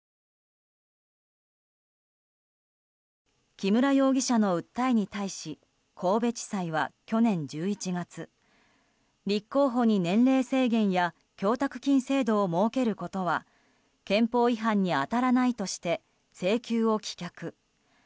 木村容疑者の訴えに対し神戸地裁は去年１１月立候補に年齢制限や供託金制度を設けることは憲法違反に当たらないとして請求を棄却。